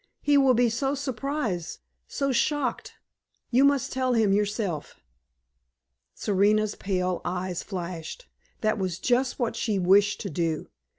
"He will be so surprised so shocked! You must tell him yourself." Serena's pale eyes flashed. That was just what she wished to do.